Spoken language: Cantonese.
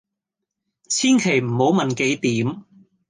千祈唔好問幾點